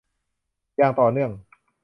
อย่างต่อเนื่อง